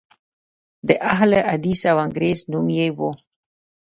د اهل حدیث وانګریز نوم یې و.